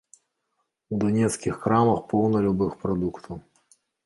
У данецкіх крамах поўна любых прадуктаў.